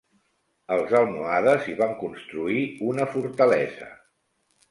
Els almohades hi van construir una fortalesa.